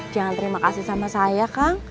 jangan terima kasih sama saya kang